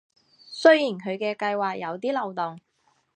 雖然佢嘅計畫有啲漏洞